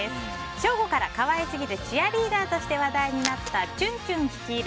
正午から可愛すぎるチアリーダーとして話題になったチュンチュン率いる